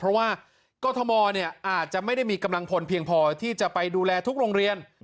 เพราะว่ากรทมอาจจะไม่ได้มีกำลังพลเพียงพอที่จะไปดูแลทุกโรงเรียน